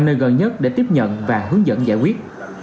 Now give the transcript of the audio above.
nơi gần nhất để tiếp nhận và hướng dẫn giải quyết